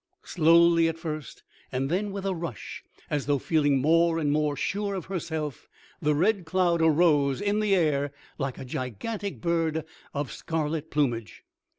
Slowly at first, and then with a rush, as though feeling more and more sure of herself, the Red Cloud arose in the air like a gigantic bird of scarlet plumage.